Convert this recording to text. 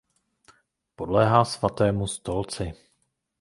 Podléhá Svatému stolci.